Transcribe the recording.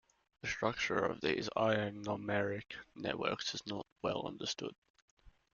The structure of these ionomeric networks is not well understood.